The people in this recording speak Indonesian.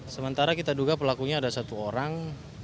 sementara kita duga pelakunya ada satu orang